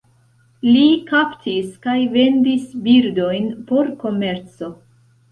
Li kaptis kaj vendis birdojn por komerco.